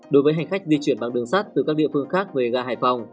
đối với hành khách di chuyển bằng đường sắt từ các địa phương khác về ga hải phòng